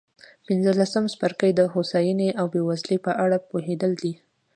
پنځلسم څپرکی د هوساینې او بېوزلۍ په اړه پوهېدل دي.